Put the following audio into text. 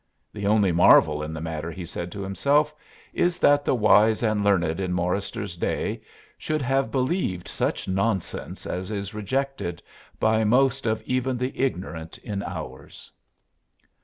_ "The only marvel in the matter," he said to himself, "is that the wise and learned in Morryster's day should have believed such nonsense as is rejected by most of even the ignorant in ours."